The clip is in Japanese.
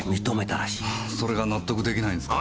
それが納得できないんすか？